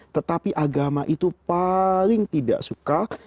tetapi agama itu paling tidak suka kalau setiap persen